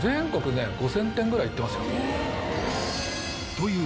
という